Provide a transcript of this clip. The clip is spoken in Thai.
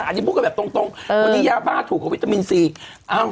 อันนี้พูดกันแบบตรงวันนี้ยาบ้าถูกกว่าวิตามินซี